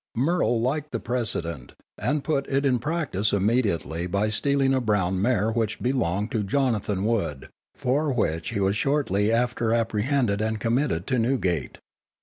Murrel liked the precedent, and put it in practice immediately by stealing a brown mare which belonged to Jonathan Wood, for which he was shortly after apprehended and committed to Newgate.